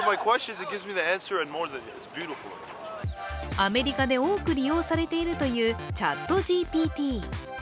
アメリカで多く利用されているというＣｈａｔＧＰＴ。